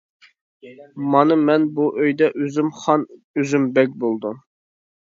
مانا مەن بۇ ئۆيدە ئۆزۈم خان ئۆزۈم بەگ بولدۇم.